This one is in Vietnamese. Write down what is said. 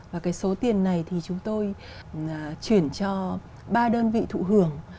và cái số tiền này thì chúng tôi chuyển cho ba đơn vị thụ hưởng